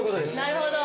なるほど。